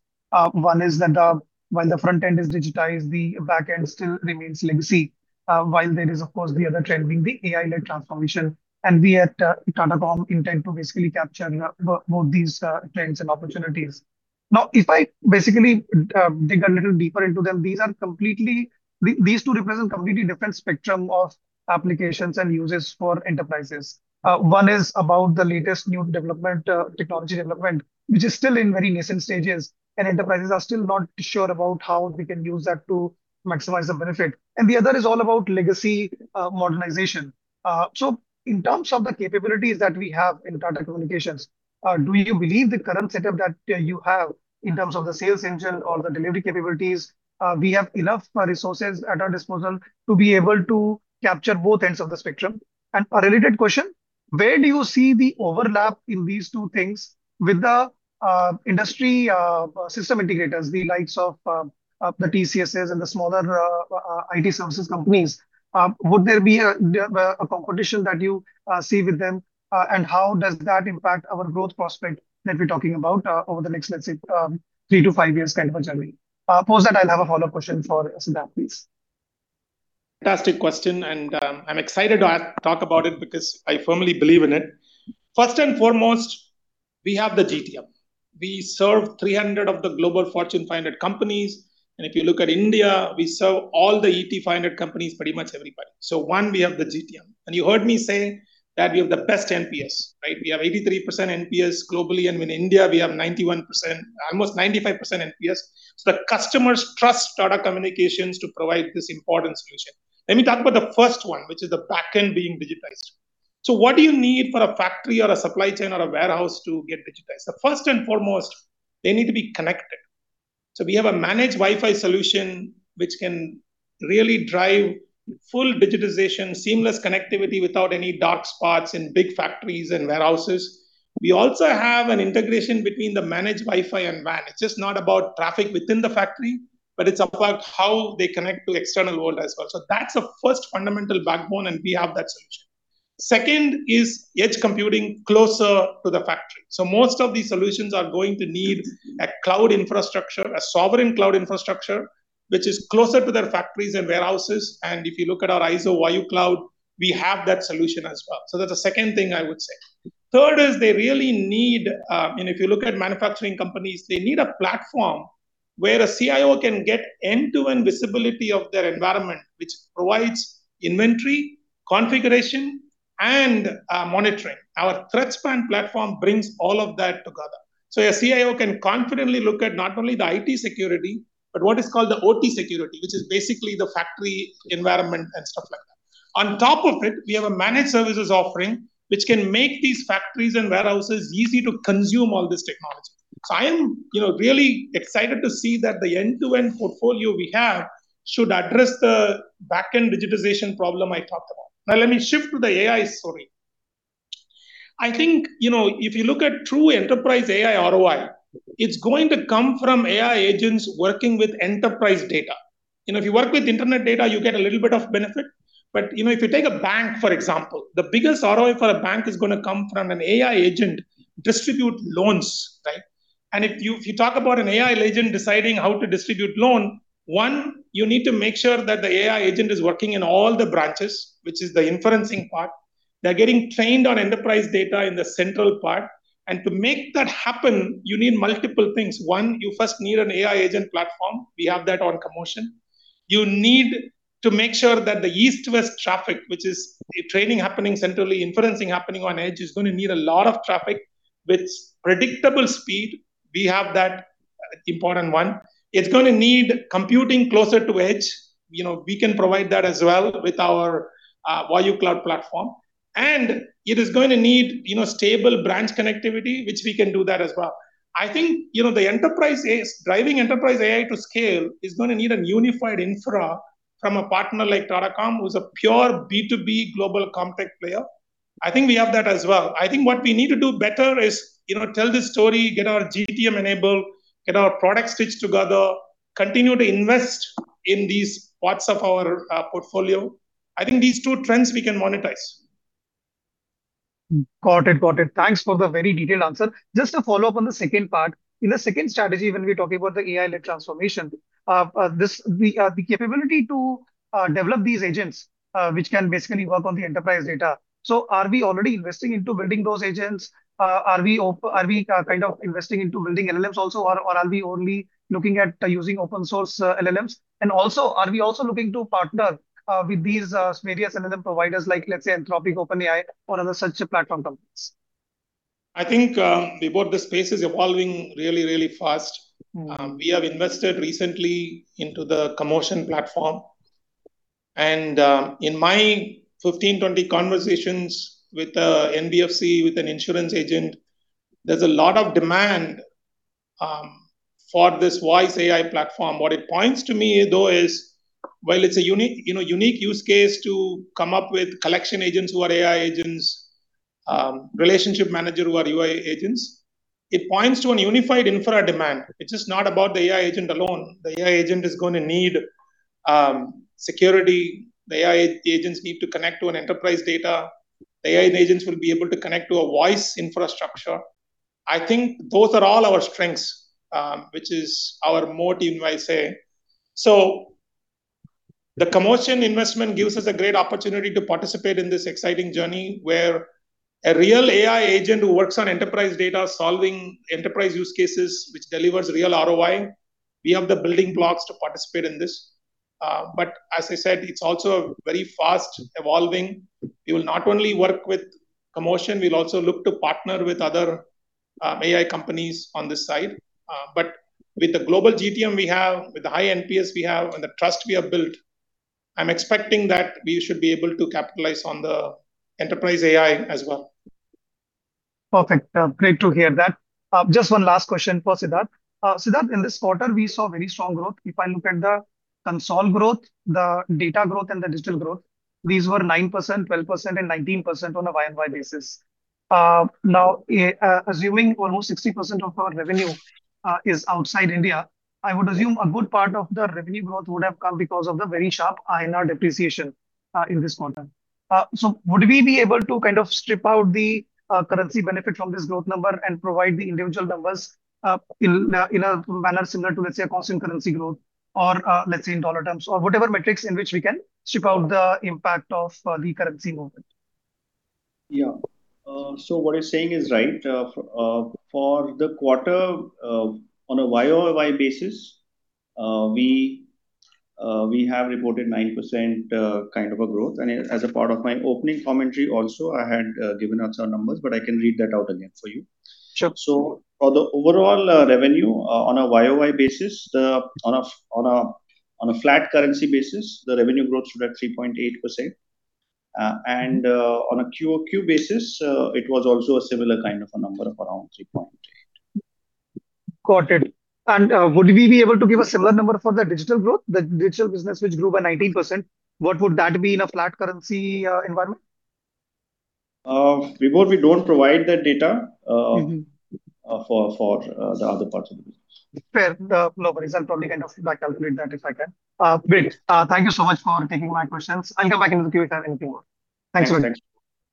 One is that while the front end is digitized, the back end still remains legacy. While there is, of course, the other trend being the AI-led transformation. We at Tata Comm intend to basically capture both these trends and opportunities. Now, if I basically dig a little deeper into them, these two represent completely different spectrum of applications and uses for enterprises. One is about the latest new technology development, which is still in very nascent stages, and enterprises are still not sure about how they can use that to maximize the benefit. The other is all about legacy modernization. In terms of the capabilities that we have in Tata Communications, do you believe the current setup that you have in terms of the sales engine or the delivery capabilities, we have enough resources at our disposal to be able to capture both ends of the spectrum? A related question, where do you see the overlap in these two things with the industry system integrators, the likes of the TCSs and the smaller IT services companies? Would there be a competition that you see with them? How does that impact our growth prospect that we're talking about over the next, let's say, three to five years kind of a journey? Post that, I'll have a follow-up question for Siddhartha, please. Fantastic question, and I'm excited to talk about it because I firmly believe in it. First and foremost, we have the GTM. We serve 300 of the global Fortune 500 companies, and if you look at India, we serve all the ET 500 companies, pretty much everybody. One, we have the GTM. You heard me say that we have the best NPS, right? We have 83% NPS globally. In India, we have 91%, almost 95% NPS. The customers trust Tata Communications to provide this important solution. Let me talk about the first one, which is the back end being digitized. What do you need for a factory or a supply chain or a warehouse to get digitized? First and foremost, they need to be connected. We have a managed Wi-Fi solution which can really drive full digitization, seamless connectivity without any dark spots in big factories and warehouses. We also have an integration between the managed Wi-Fi and WAN. It's just not about traffic within the factory, but it's about how they connect to external world as well. That's the first fundamental backbone, and we have that solution. Second is edge computing closer to the factory. Most of these solutions are going to need a cloud infrastructure, a sovereign cloud infrastructure, which is closer to their factories and warehouses. If you look at our IZO Vayu Cloud, we have that solution as well. That's the second thing I would say. Third is they really need, and if you look at manufacturing companies, they need a platform where a CIO can get end-to-end visibility of their environment, which provides inventory, configuration, and monitoring. Our ThreadSpan platform brings all of that together. A CIO can confidently look at not only the IT security, but what is called the OT security, which is basically the factory environment and stuff like that. On top of it, we have a managed services offering which can make these factories and warehouses easy to consume all this technology. I am really excited to see that the end-to-end portfolio we have should address the back-end digitization problem I talked about. Now let me shift to the AI story. I think, if you look at true enterprise AI ROI, it's going to come from AI agents working with enterprise data. If you work with internet data, you get a little bit of benefit. If you take a bank, for example, the biggest ROI for a bank is going to come from an AI agent distribute loans, right? If you talk about an AI agent deciding how to distribute loan, one, you need to make sure that the AI agent is working in all the branches, which is the inferencing part. They're getting trained on enterprise data in the central part. To make that happen, you need multiple things. One, you first need an AI agent platform. We have that on Commotion. You need to make sure that the east-west traffic, which is the training happening centrally, inferencing happening on edge, is going to need a lot of traffic with predictable speed. We have that important one. It's going to need computing closer to edge. We can provide that as well with our Vayu Cloud platform. It is going to need stable branch connectivity, which we can do that as well. I think driving enterprise AI to scale is going to need a unified infra from a partner like Tata Comm, who's a pure B2B global compact player. I think we have that as well. I think what we need to do better is tell this story, get our GTM enabled, get our product stitched together, continue to invest in these parts of our portfolio. I think these two trends we can monetize. Got it. Thanks for the very detailed answer. Just to follow up on the second part. In the second strategy, when we're talking about the AI-led transformation, the capability to develop these agents, which can basically work on the enterprise data, are we already investing into building those agents? Are we kind of investing into building LLMs also, or are we only looking at using open source LLMs? Are we also looking to partner with these various LLM providers, like let's say Anthropic, OpenAI, or other such platform companies? I think, Vibhor, the space is evolving really, really fast. Mm-hmm. We have invested recently into the Commotion platform. In my 15, 20 conversations with a NBFC, with an insurance agent, there's a lot of demand for this voice AI platform. What it points to me, though, is while it's a unique use case to come up with collection agents who are AI agents, relationship manager who are AI agents, it points to a unified infra demand. It's just not about the AI agent alone. The AI agent is going to need security. The AI agents need to connect to an enterprise data. The AI agents will be able to connect to a voice infrastructure. I think those are all our strengths, which is our moat, you might say. The Commotion investment gives us a great opportunity to participate in this exciting journey where a real AI agent who works on enterprise data solving enterprise use cases, which delivers real ROI. We have the building blocks to participate in this. As I said, it's also very fast evolving. We will not only work with Commotion. We'll also look to partner with other AI companies on this side. With the global GTM we have, with the high NPS we have, and the trust we have built, I'm expecting that we should be able to capitalize on the enterprise AI as well. Perfect. Great to hear that. Just one last question for Siddhartha. Siddhartha, in this quarter, we saw very strong growth. If I look at the consolidated growth, the data growth, and the digital growth, these were 9%, 12%, and 19% on a YoY basis. Now, assuming almost 60% of our revenue is outside India, I would assume a good part of the revenue growth would have come because of the very sharp INR depreciation in this quarter. Would we be able to kind of strip out the currency benefit from this growth number and provide the individual numbers in a manner similar to, let's say, a constant currency growth or, let's say, in dollar terms or whatever metrics in which we can strip out the impact of the currency movement? Yeah. What you're saying is right. For the quarter, on a YoY basis, we have reported 9% kind of a growth. As a part of my opening commentary also, I had given out some numbers, but I can read that out again for you. Sure. For the overall revenue on a YoY basis, on a flat currency basis, the revenue growth stood at 3.8%. On a QoQ basis, it was also a similar kind of a number of around 3.8%. Got it. Would we be able to give a similar number for the digital growth, the digital business which grew by 19%? What would that be in a flat currency environment? Vibhor, we don't provide that data. Mm-hmm For the other parts of the business. Fair. No worries. I'll probably kind of back calculate that if I can. Great. Thank you so much for taking my questions. I'll come back into the queue if I have anything more. Thanks very much.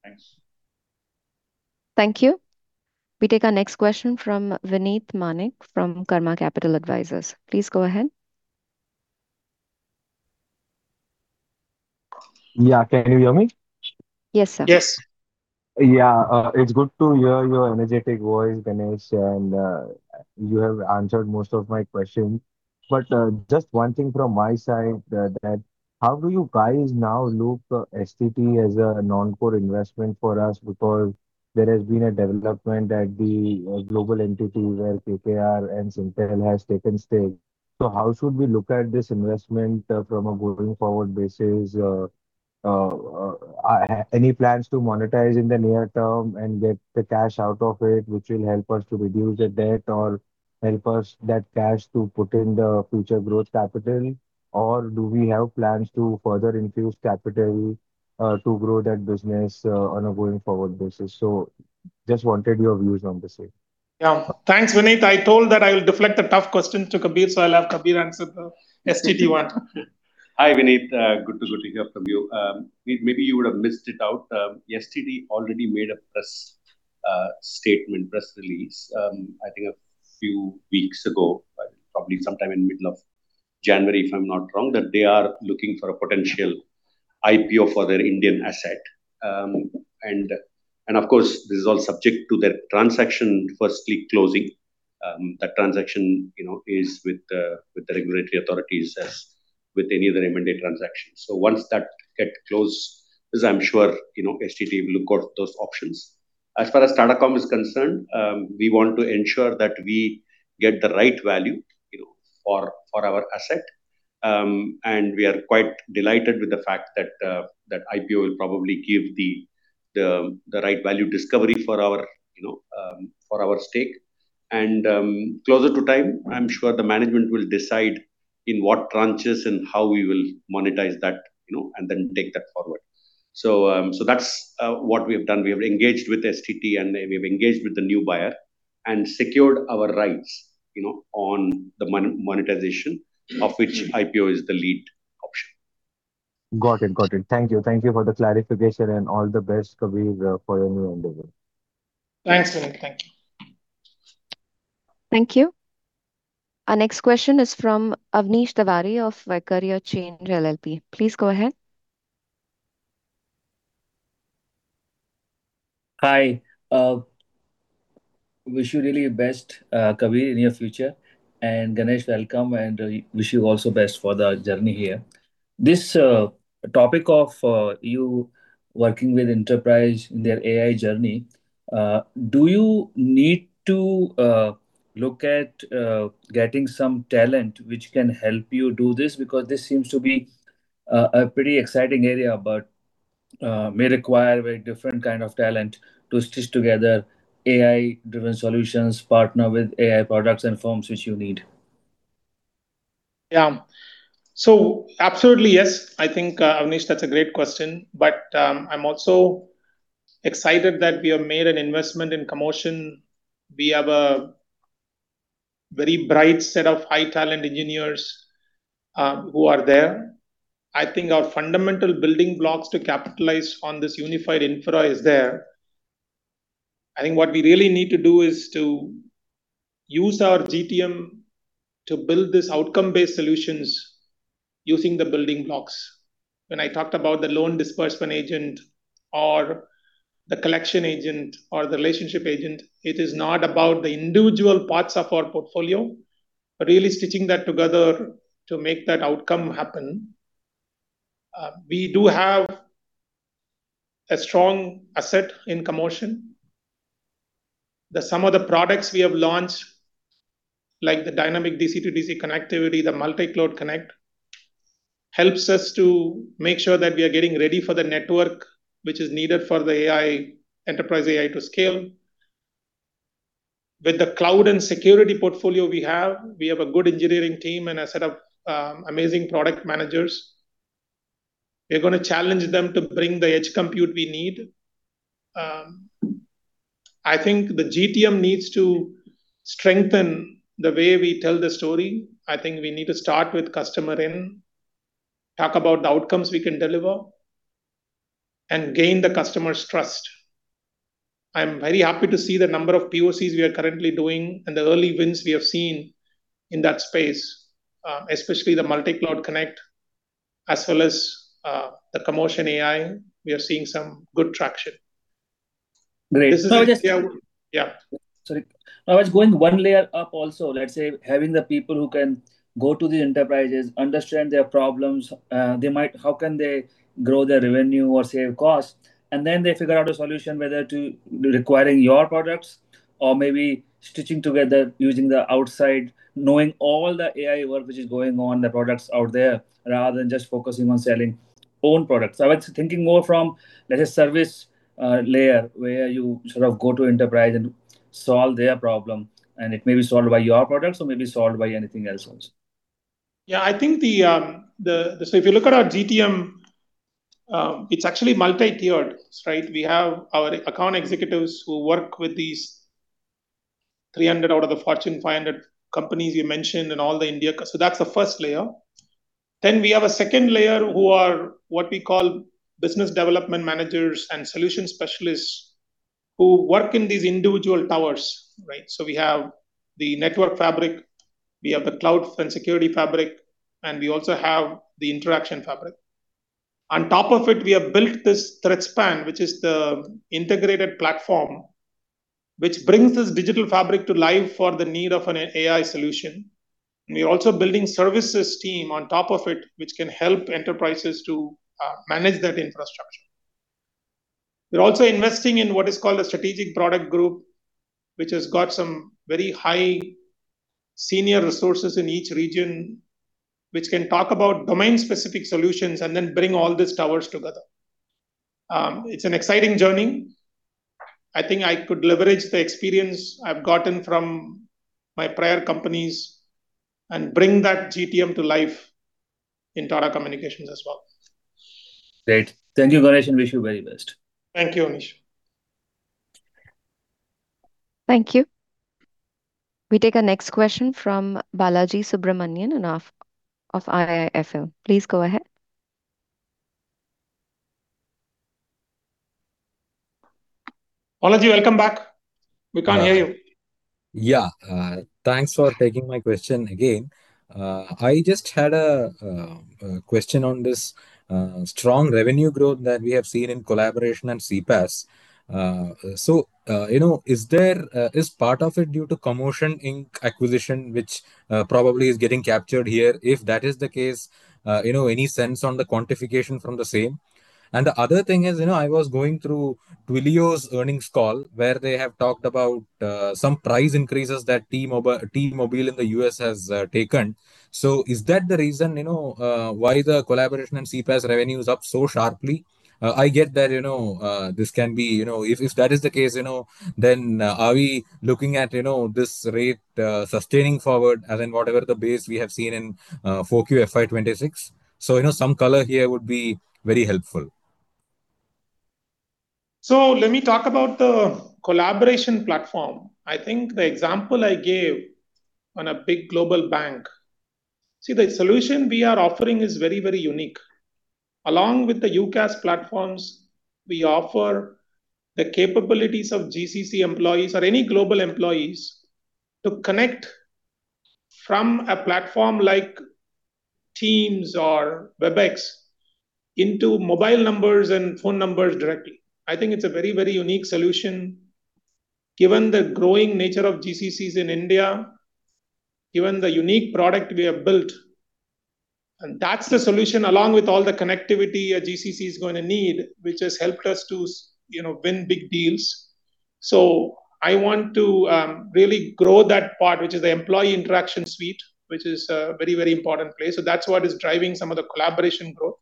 Thanks. Thank you. We take our next question from Vinit Manek from Karma Capital Advisors. Please go ahead. Yeah. Can you hear me? Yes, sir. Yes. Yeah. It's good to hear your energetic voice, Ganesh, and you have answered most of my questions. Just one thing from my side, that how do you guys now look at STT as a non-core investment for us because there has been a development at the global entity where KKR and Singtel has taken stake. How should we look at this investment from a going forward basis? Any plans to monetize in the near term and get the cash out of it, which will help us to reduce the debt or help us, that cash, to put in the future growth capital? Or do we have plans to further infuse capital to grow that business on a going forward basis? Just wanted your views on the same. Yeah. Thanks, Vinit. I told that I will deflect the tough question to Kabir, so I'll have Kabir answer the ST Telemedia one. Hi, Vinit. Good to hear from you. Maybe you would have missed it out. STT already made a press statement, press release, I think a few weeks ago, probably sometime in middle of January, if I'm not wrong, that they are looking for a potential IPO for their Indian asset. Of course, this is all subject to their transaction firstly closing. That transaction is with the regulatory authorities as with any other M&A transaction. Once that get closed, as I'm sure STT will look at those options. As far as Tata Comm is concerned, we want to ensure that we get the right value for our asset. We are quite delighted with the fact that IPO will probably give the right value discovery for our stake. Closer to time, I'm sure the management will decide in what tranches and how we will monetize that, and then take that forward. That's what we have done. We have engaged with STT, and we have engaged with the new buyer and secured our rights on the monetization of which IPO is the lead option. Got it. Thank you. Thank you for the clarification and all the best, Kabir, for your new endeavor. Thanks, Vinit. Thank you. Thank you. Our next question is from Avnish Tiwari of Vaikarya. Please go ahead. Hi. I wish you the very best, Kabir, in your future. Ganesh, welcome, and I wish you the best for the journey here. This topic of you working with enterprise in their AI journey, do you need to look at getting some talent which can help you do this? Because this seems to be a pretty exciting area, but may require a very different kind of talent to stitch together AI-driven solutions, partner with AI products and firms which you need. Yeah. Absolutely yes. I think, Avnish, that's a great question, but I'm also excited that we have made an investment in Commotion. We have a very bright set of high-talent engineers who are there. I think our fundamental building blocks to capitalize on this unified infra is there. I think what we really need to do is to use our GTM to build this outcome-based solutions using the building blocks. When I talked about the loan disbursement agent or the collection agent or the relationship agent, it is not about the individual parts of our portfolio, but really stitching that together to make that outcome happen. We do have a strong asset in Commotion. The sum of the products we have launched, like the IZO DC-to-DC connectivity, the IZO Multi Cloud Connect, helps us to make sure that we are getting ready for the network which is needed for the enterprise AI to scale. With the cloud and security portfolio we have, we have a good engineering team and a set of amazing product managers. We're going to challenge them to bring the edge compute we need. I think the GTM needs to strengthen the way we tell the story. I think we need to start with customer in, talk about the outcomes we can deliver, and gain the customer's trust. I'm very happy to see the number of POCs we are currently doing and the early wins we have seen in that space, especially the IZO Multi Cloud Connect as well as the Commotion AI. We are seeing some good traction. Great. Yeah. Sorry. I was going one layer up also. Let's say having the people who can go to the enterprises, understand their problems, how can they grow their revenue or save cost, and then they figure out a solution whether it requires your products or maybe stitching together using the outside, knowing all the AI work which is going on, the products out there, rather than just focusing on selling own products. I was thinking more from the service layer where you sort of go to the enterprise and solve their problem, and it may be solved by your products or may be solved by anything else also. Yeah, if you look at our GTM, it's actually multi-tiered. We have our account executives who work with these 300 out of the Fortune 500 companies you mentioned. So that's the first layer. Then we have a second layer who are what we call business development managers and solution specialists who work in these individual towers. So we have the Network Fabric, we have the Cloud and Security Fabric, and we also have the Interaction Fabric. On top of it, we have built this threat span, which is the integrated platform, which brings this digital fabric to life for the need of an AI solution. We're also building services team on top of it, which can help enterprises to manage that infrastructure. We're also investing in what is called a strategic product group, which has got some very high senior resources in each region, which can talk about domain-specific solutions and then bring all these towers together. It's an exciting journey. I think I could leverage the experience I've gotten from my prior companies and bring that GTM to life in Tata Communications as well. Great. Thank you, Ganesh, and wish you very best. Thank you, Avnish. Thank you. We take our next question from Balaji Subramanian of IIFL. Please go ahead. Balaji, welcome back. We can't hear you. Yeah. Thanks for taking my question again. I just had a question on this strong revenue growth that we have seen in collaboration and CPaaS. Is part of it due to Commotion Inc. acquisition, which probably is getting captured here? If that is the case, any sense on the quantification from the same? The other thing is, I was going through Twilio's earnings call, where they have talked about some price increases that T-Mobile in the U.S. has taken. Is that the reason why the collaboration and CPaaS revenue is up so sharply? I get that if that is the case, then are we looking at this rate sustaining forward as in whatever the base we have seen in Q4 FY 2026? Some color here would be very helpful. Let me talk about the collaboration platform. I think the example I gave on a big global bank. See, the solution we are offering is very unique. Along with the UCaaS platforms, we offer the capabilities of GCC employees or any global employees to connect from a platform like Teams or Webex into mobile numbers and phone numbers directly. I think it's a very unique solution given the growing nature of GCCs in India, given the unique product we have built. That's the solution along with all the connectivity a GCC is going to need, which has helped us to win big deals. I want to really grow that part, which is the employee interaction suite, which is a very important place. That's what is driving some of the collaboration growth.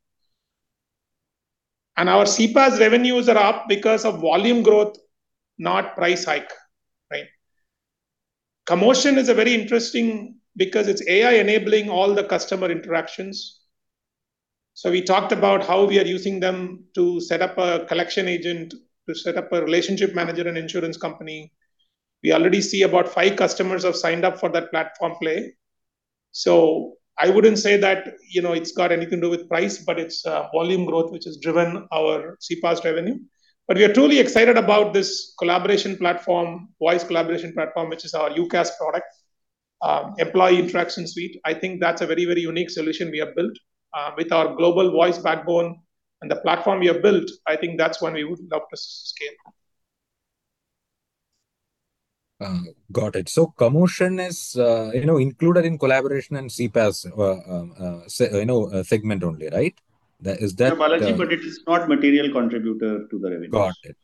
Our CPaaS revenues are up because of volume growth, not price hike. Commotion is very interesting because it's AI enabling all the customer interactions. We talked about how we are using them to set up a collection agent, to set up a relationship manager and insurance company. We already see about five customers have signed up for that platform play. I wouldn't say that it's got anything to do with price, but it's volume growth which has driven our CPaaS revenue. We are truly excited about this collaboration platform, voice collaboration platform, which is our UCaaS product, employee interaction suite. I think that's a very unique solution we have built, with our global voice backbone. The platform we have built, I think that's one we would love to scale. Got it. Commotion is included in collaboration and CPaaS segment only, right? Yeah, Balaji, but it is not material contributor to the revenue. Got it.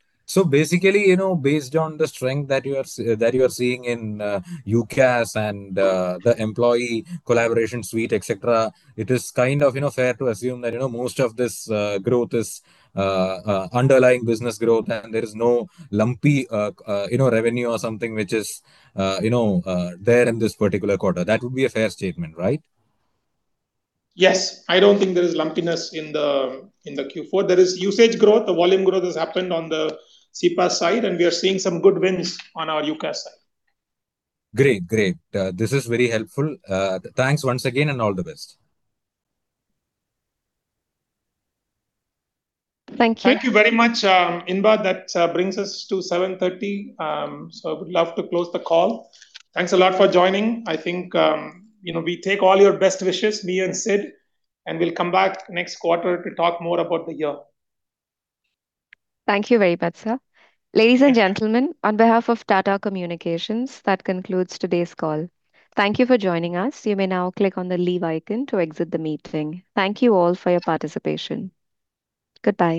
Basically, based on the strength that you are seeing in UCaaS and the employee collaboration suite, et cetera, it is kind of fair to assume that most of this growth is underlying business growth and there is no lumpy revenue or something which is there in this particular quarter. That would be a fair statement, right? Yes. I don't think there is lumpiness in the Q4. There is usage growth. The volume growth has happened on the CPaaS side, and we are seeing some good wins on our UCaaS side. Great. This is very helpful. Thanks once again, and all the best. Thank you. Thank you very much, Rimba. That brings us to 7:30, so I would love to close the call. Thanks a lot for joining. I think we take all your best wishes, me and Sid, and we'll come back next quarter to talk more about the year. Thank you very much, sir. Ladies and gentlemen, on behalf of Tata Communications, that concludes today's call. Thank you for joining us. You may now click on the leave icon to exit the meeting. Thank you all for your participation. Goodbye.